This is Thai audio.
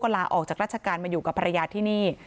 ลาออกจากราชการมาอยู่กับภรรยาที่นี่